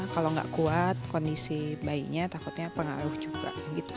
kalau nggak kuat kondisi bayinya takutnya pengaruh juga